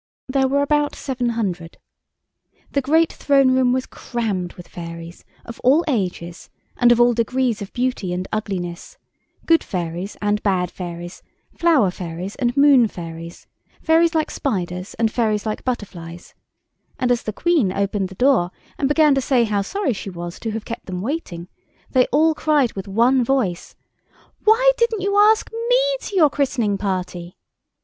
There were about seven hundred. The great Throne Room was crammed with fairies, of all ages and of all degrees of beauty and ugliness—good fairies and bad fairies, flower fairies and moon fairies, fairies like spiders and fairies like butterflies—and as the Queen opened the door and began to say how sorry she was to have kept them waiting, they all cried, with one voice, "Why didn't you ask me to your christening party?"